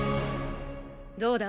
どうだ？